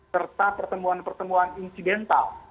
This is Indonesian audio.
serta pertemuan pertemuan insidental